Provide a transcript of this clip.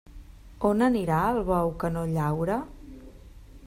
On anirà el bou que no llaure?